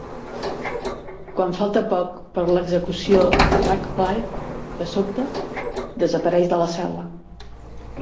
Quan falta poc per l'execució de Radcliffe, de sobte, desapareix de la cel·la.